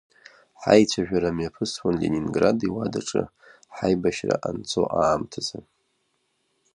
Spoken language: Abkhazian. Ҳаицәажәара мҩаԥысуан Ленинград, иуадаҿы, ҳаибашьра анцо аамҭазы.